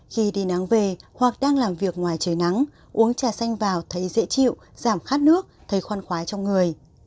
khi đi nắng về hoặc đang làm việc ngoài trời nắng uống trà xanh vào thấy dễ chịu giảm khát nước thấy khoan khoái trong người